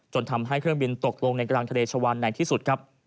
ทำให้เครื่องบินตกลงในกลางทะเลชวานในที่สุดครับ